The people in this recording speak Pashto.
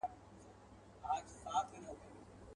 مېله وال د شاله مار یو ګوندي راسي.